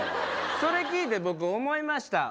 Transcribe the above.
それ聞いて僕思いました